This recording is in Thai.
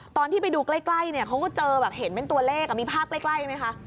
ตอนที่ไปดูใกล้เนี่ยเขาก็เจอแบบเห็นเป็นตัวเลขมีภาพใกล้ไหมคะ